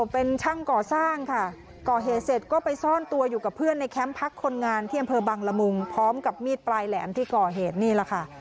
เป็นช่างก่อสร้างค่ะก่อเหตุเสร็จก็ไปซ่อนตัวอยู่กับเพื่อนในแคมป์พักคนงานที่อำเภอบังละมุงพร้อมกับมีดปลายแหลมที่ก่อเหตุนี่แหละค่ะ